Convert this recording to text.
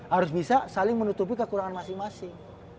harus bisa saling menutupi kekurangan masing masing